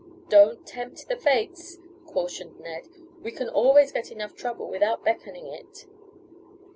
"Don't tempt the fates," cautioned Ned, "we can always get enough trouble without beckoning it."